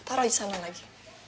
taruh aja sana lagi